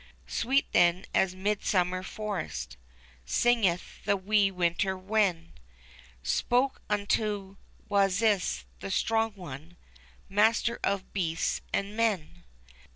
Sweet, then, as 'mid summer forest Singeth the wee winter wren. Spoke unto Wasis, the Strong One, Master of beasts and men.